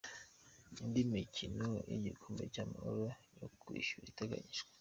Indi mikino y’igikombe cy’amahoro yo kwishyura iteganyijwe:.